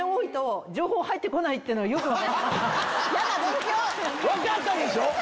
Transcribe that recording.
分かったでしょ。